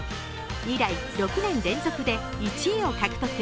以来６年連続で１位を獲得。